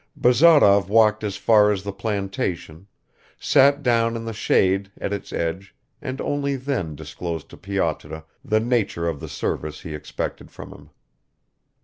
Bazarov walked as far as the plantation, sat down in the shade at its edge and only then disclosed to Pyotr the nature of the service he expected from him.